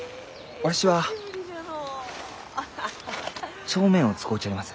わしは帳面を使うちょります。